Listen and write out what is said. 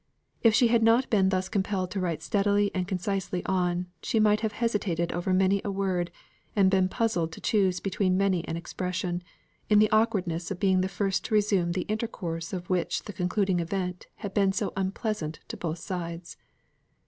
If she had not been thus compelled to write steadily and concisely on, she might have hesitated over many a word, and been puzzled to choose between many an expression, in the awkwardness of being the first to resume the intercourse of which the concluding event had been so unpleasant to both sides.